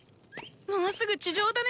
もうすぐ地上だね。